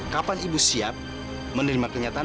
kapan ibu siap menerima kenyataan